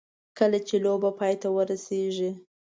کله چې لوبه پای ته ورسېږي.